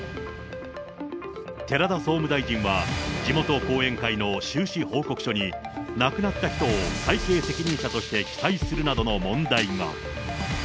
寺田総務大臣は、地元後援会の収支報告書に、亡くなった人を会計責任者として記載するなどの問題が。